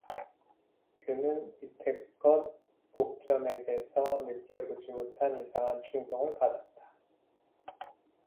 그는 이태껏 옥점에게서 느껴 보지못한 이상한 충동을 받았다.